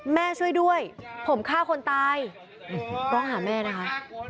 ช่วยด้วยผมฆ่าคนตายร้องหาแม่นะคะ